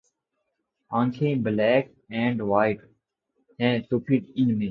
آنکھیں ’ black and white ‘ ہیں تو پھر ان میں